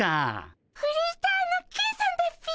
フリーターのケンさんだっピ。